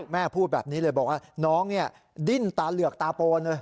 แม่พูดแบบนี้เลยบอกว่าน้องดิ้นตาเหลือกตาโปนเลย